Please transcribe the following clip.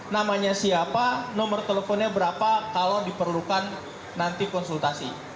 namanya siapa nomor teleponnya berapa kalau diperlukan nanti konsultasi